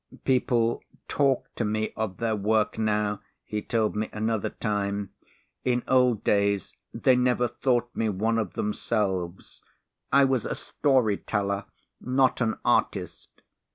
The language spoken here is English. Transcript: "People talk to me of their work now," he told me another time; "in old days, they never thought me one of themselves. I was a story teller, not an artist."